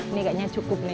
ini kayaknya cukup nih